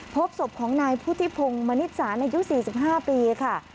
พบศพของนายพุทธิพงศ์มนิษฐานอายุสี่สิบห้าปีค่ะ